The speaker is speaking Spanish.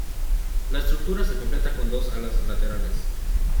La estructura se completa con dos alas laterales.